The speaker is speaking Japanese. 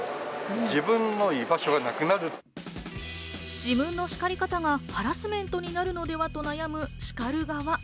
自分の叱り方がハラスメントになるのではと悩む叱る側。